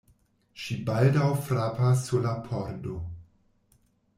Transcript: Ŝi baldaŭ frapas sur la pordo.